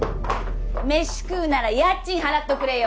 飯食うなら家賃払っとくれよ